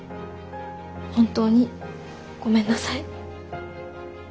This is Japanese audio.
本当にごめんなさい。